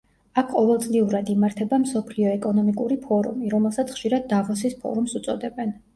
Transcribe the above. აქ ყოველწლიურად იმართება მსოფლიო ეკონომიკური ფორუმი, რომელსაც ხშირად დავოსის ფორუმს უწოდებენ.